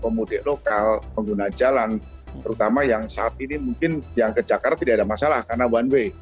pemudik lokal pengguna jalan terutama yang saat ini mungkin yang ke jakarta tidak ada masalah karena one way